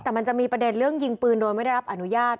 แต่มันจะมีประเด็นเรื่องยิงปืนโดยไม่ได้รับอนุญาต